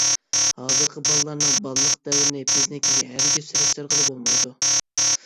ھازىرقى بالىلارنىڭ بالىلىق دەۋرىنى بىزنىڭكىگە ھەرگىز سېلىشتۇرغىلى بولمايدۇ.